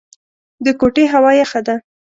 د کوټې هوا يخه ده.